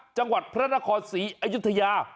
จังหวัดพระนครศรีอยุธยา